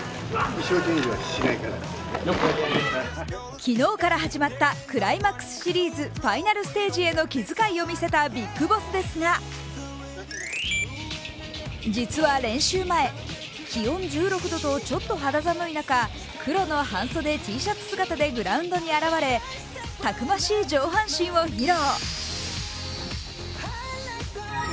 昨日から始まったクライマックスシリーズファイナルステ−ジへの気遣いを見せたビッグボスですが実は練習前、気温１６度とちょっと肌寒い中、黒の半袖Ｔシャツ姿でグラウンドに現れ、たくましい上半身を披露。